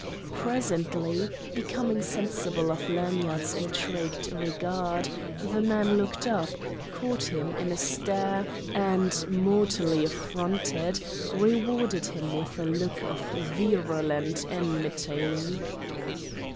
Presently, becoming sensible of Lanyard's intrigued regard, the man looked up, caught him in a stare and, mortally affronted, rewarded him with a look of virulent enmity.